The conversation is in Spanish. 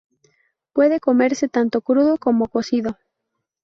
Puede comerse tanto crudo como cocido.